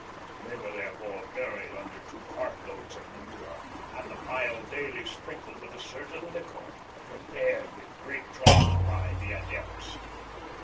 They were therefore buried under two cartloads of manure, and the pile daily sprinkled with a certain liquor prepared with great trouble by the adepts.